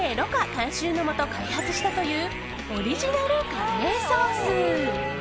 監修のもと開発したというオリジナルカレーソース。